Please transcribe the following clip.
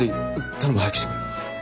頼む早くしてくれ。